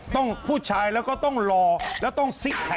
โหคุณได้เข้าบ้านก่อนในมบัล